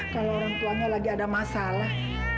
kalau orang tuanya lagi ada masalah